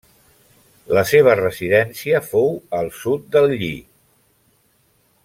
La seva residència fou al sud de l'Ili.